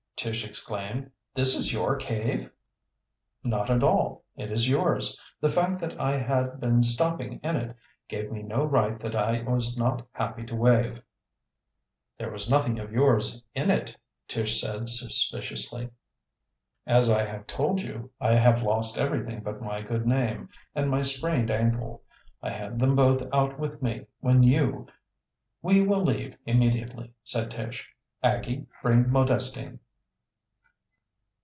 Tish exclaimed. "This is your cave?" "Not at all; it is yours. The fact that I had been stopping in it gave me no right that I was not happy to waive." "There was nothing of yours in it," Tish said suspiciously. "As I have told you, I have lost everything but my good name and my sprained ankle. I had them both out with me when you " "We will leave immediately," said Tish. "Aggie, bring Modestine."